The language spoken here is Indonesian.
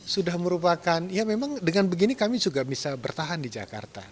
sudah merupakan ya memang dengan begini kami juga bisa bertahan di jakarta